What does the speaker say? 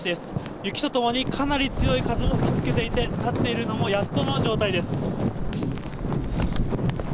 雪と共にかなり強い風も吹きつけていて立っているのもやっとの状態です。